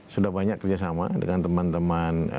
sudah banyak kerjasama dengan teman teman